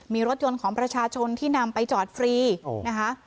มีรถยนต์ของประชาชนที่นำไปจอดฟรีนะคะ